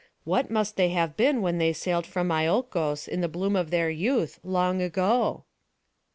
What must they have been when they sailed from Iolcos, in the bloom of their youth, long ago?"